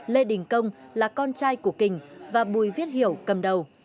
lê đình công là con trai của kình và bùi viết hiểu cầm đầu